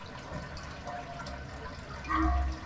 ازادي راډیو د اداري فساد د ارتقا لپاره نظرونه راټول کړي.